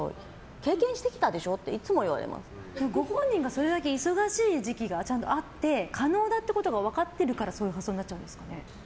経験してきたでしょって本人がそれだけ忙しい時期がちゃんとあって可能だってことが分かってるからそういう発想になっちゃうんですかね。